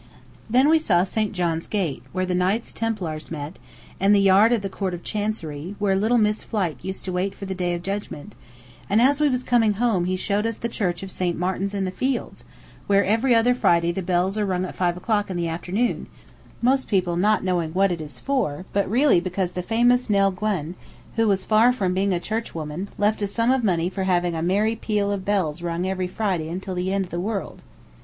Then we saw St. John's Gate, where the Knights Templars met, and the yard of the Court of Chancery, where little Miss Flite used to wait for the Day of Judgment; and as we was coming home he showed us the church of St. Martin's in the Fields, where every other Friday the bells are rung at five o'clock in the afternoon, most people not knowing what it is for, but really because the famous Nell Gwynn, who was far from being a churchwoman, left a sum of money for having a merry peal of bells rung every Friday until the end of the world.